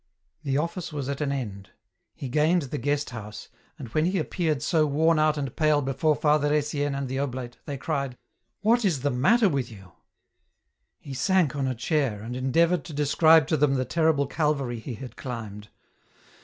The Office was at an end ; he gained the guest house, and when he appeared so worn out and pale before Father Etienne and the oblate, they cried :" What is the matter with you ?" He sank on a chair, and endeavoured to describe to them the terrible Calvary he had climbed.